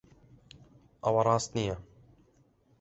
ئەوە ڕاست نییە.